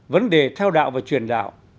ba vấn đề theo đạo và truyền đạo